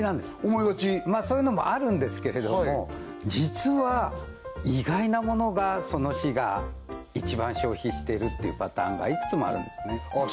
思いがちそういうのもあるんですけれども実は意外なものがその市が一番消費してるってパターンがいくつもあるんですねああ